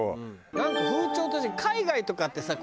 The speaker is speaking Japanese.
風潮として海外とかってさ